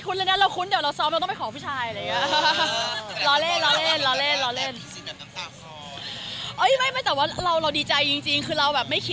คือเป็นเรื่องของอนาคตมากเลยค่ะเอาจริงแล้วนะคะ